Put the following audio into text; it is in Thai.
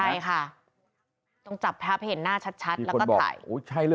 ไหมค่ะต้องจับแพร่เพื่อเห็นหน้าชัดแล้วก็ถ่ายใช่หรือ